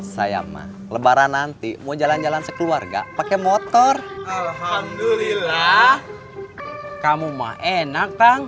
saya mah lebaran nanti mau jalan jalan sekeluarga pakai motor alhamdulillah kamu mah enak kang